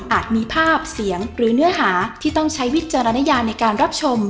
มีภาพเสียงหรือเนื้อหาที่ต้องใช้วิจารณญาในการรับชม